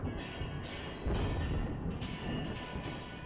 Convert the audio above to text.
El estilo trata de evocar máquinas y engranajes.